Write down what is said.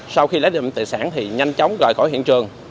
sau khi lấy được tài sản thì nhanh chóng rời khỏi hiện trường